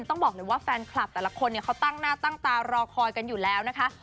ต้องบอกเลยว่าแฟนคลับแต่ละคนเนี่ยเขาตั้งหน้าตั้งตารอคอยกันอยู่แล้วนะคะ